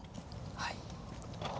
はい。